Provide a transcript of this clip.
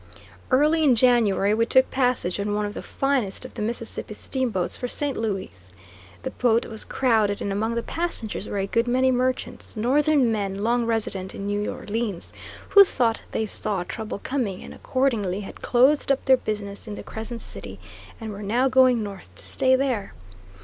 Early in January we took passage on one of the finest of the Mississippi steamboats for St. Louis. The boat was crowded, and among the passengers were a good many merchants, Northern men long resident in New Orleans, who thought they saw trouble coming, and accordingly had closed up their business in the Crescent City, and were now going North to stay there.